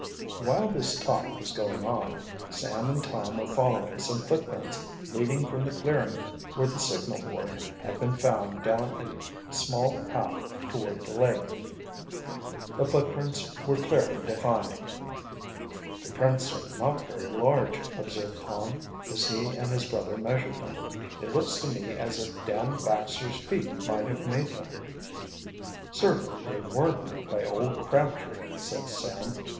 While this talk was going on Sam and Tom were following some footprints leading from the clearing where the signal board had been found down a small path toward the lake. The footprints were clearly defined. "The prints are not very large," observed Tom, as he and his brother measured them. "It looks to me as if Dan Baxter's feet might have made them." "Certainly they weren't made by old Crabtree," said Sam.